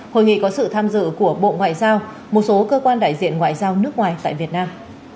hội nghị có sự tham dự của bộ ngoại giao một số cơ quan đại diện ngoại giao nước ngoài tại việt nam